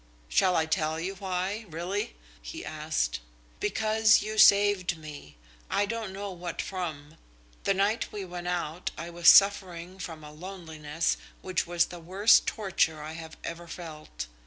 "Shall I tell you why, really?" he asked. "Because you saved me I don't know what from. The night we went out I was suffering from a loneliness which was the worst torture I have ever felt.